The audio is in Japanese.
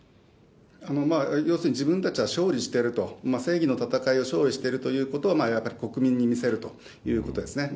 要するに自分たちは勝利してると、正義の戦いを勝利してるということを国民に見せるということですね。